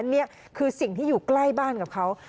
นี่คือสิ่งที่อยู่ใกล้บ้านกับเขา